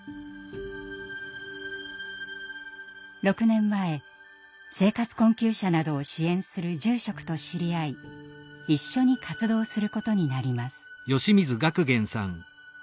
６年前生活困窮者などを支援する住職と知り合い一緒に活動することになります。